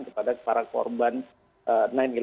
kepada para korban sembilan sebelas ini